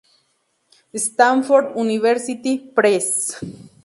Stanford University Press".